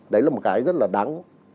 đấy là một cái rất là đáng